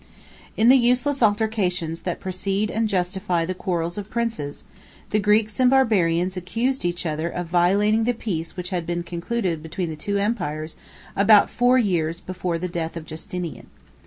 ] In the useless altercations, that precede and justify the quarrels of princes, the Greeks and the Barbarians accused each other of violating the peace which had been concluded between the two empires about four years before the death of Justinian.